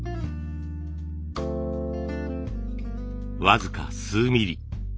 僅か数ミリ。